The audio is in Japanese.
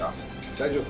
大丈夫？